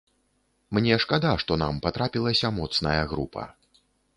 Мне шкада, што нам патрапілася моцная група.